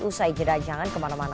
usai jeda jangan kemana mana